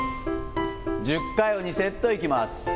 １０回を２セットいきます。